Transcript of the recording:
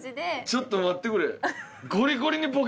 ちょっと待ってくれ。